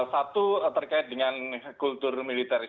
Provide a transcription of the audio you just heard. satu terkait dengan peristiwa kematian brigadir joshua ini apa saja